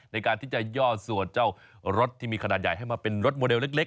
ในการที่จะย่อสวดเจ้ารถที่มีขนาดใหญ่ให้มาเป็นรถโมเดลเล็ก